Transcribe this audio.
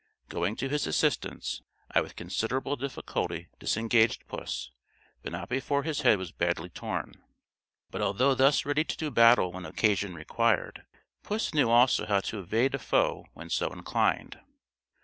Going to his assistance, I with considerable difficulty disengaged puss, but not before his head was badly torn. But although thus ready to do battle when occasion required, puss knew also how to evade a foe when so inclined.